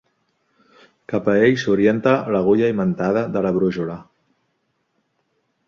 Cap a ell s'orienta l'agulla imantada de la brúixola.